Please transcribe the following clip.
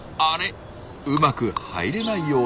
うまく入れないようです。